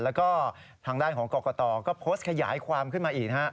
แล้วก็ทางด้านของกรกตก็โพสต์ขยายความขึ้นมาอีก